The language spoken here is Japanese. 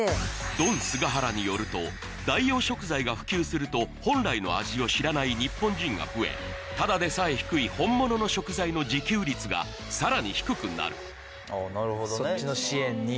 ドン菅原によると代用食材が普及すると本来の味を知らない日本人が増えただでさえ低い本物の食材の自給率がさらに低くなるそっちの。